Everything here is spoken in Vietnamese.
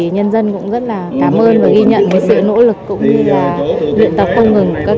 nhân dân cũng rất là cảm ơn và ghi nhận sự nỗ lực cũng như là luyện tập không ngừng của các